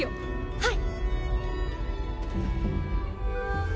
はい！